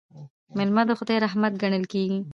میلمه د خدای رحمت ګڼل کیږي.